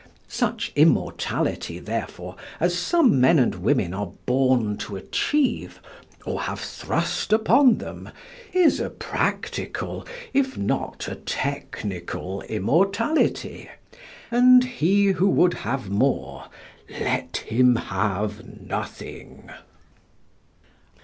Such immortality, therefore, as some men and women are born to, achieve, or have thrust upon them, is a practical if not a technical immortality, and he who would have more let him have nothing.